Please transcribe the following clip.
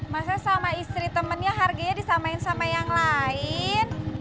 masa sama istri temennya harganya disamain sama yang lain